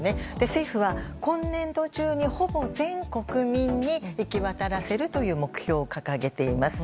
政府は、今年度中にほぼ全国民に行き渡らせるという目標を掲げています。